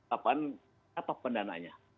apaan apa pendananya